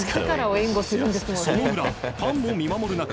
その裏、ファンも見守る中